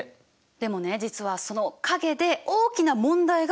でもね実はその陰で大きな問題が起きていたの。